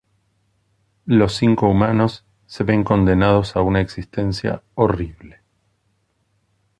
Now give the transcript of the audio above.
Los cinco humanos se ven condenados a una existencia horrible.